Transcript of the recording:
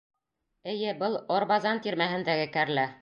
Эйе, был Орбазан тирмәһендәге кәрлә.